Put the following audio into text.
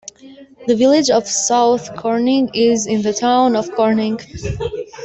The Village of South Corning is in the Town of Corning.